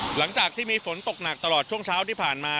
หลังจากที่มีฝนตกหนักตลอดช่วงเช้าที่ผ่านมา